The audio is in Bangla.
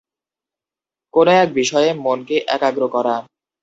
কোন এক বিষয়ে মনকে একাগ্র করা।